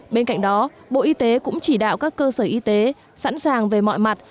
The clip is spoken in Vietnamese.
bên cạnh đó bộ y tế cũng chỉ đạo các cơ sở y tế sẵn sàng về mọi mặt